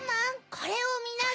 これをみなさい。